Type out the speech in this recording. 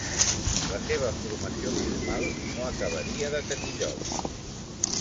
La seva formació formal no acabaria de tenir lloc.